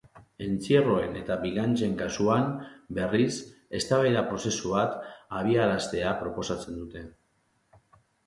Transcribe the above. Entzierroen eta bigantxen kasuan, berriz, eztabaida prozesu bat abiaraztea proposatzen dute.